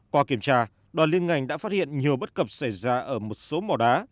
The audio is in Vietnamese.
qua kiểm tra đoàn liên ngành đã phát hiện nhiều bất cập xảy ra ở một số mỏ đá